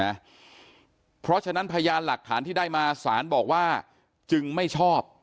นะเพราะฉะนั้นพยานหลักฐานที่ได้มาสารบอกว่าจึงไม่ชอบ